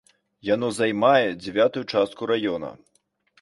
Яно займае дзявятую частку раёна!